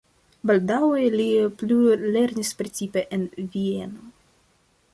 Baldaŭe li plulernis precipe en Vieno.